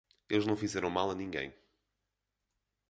Eles não fizeram mal a ninguém.